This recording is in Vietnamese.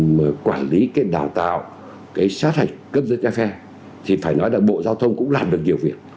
mà quản lý cái đào tạo cái sát hạch cấp giấy thì phải nói là bộ giao thông cũng làm được nhiều việc